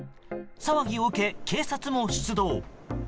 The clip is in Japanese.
騒ぎを受け、警察も出動。